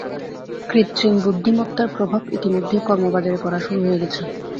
কৃত্রিম বুদ্ধিমত্তার প্রভাব ইতোমধ্যেই কর্মবাজারে পড়া শুরু হয়ে গেছে।